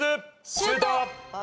シュート！